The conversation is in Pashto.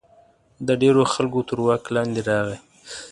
د ډېرو خلکو تر واک لاندې راغی.